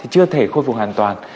chưa thể khôi phục hoàn toàn